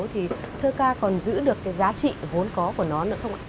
thì thơ ca còn giữ được cái giá trị vốn có của nó nữa không ạ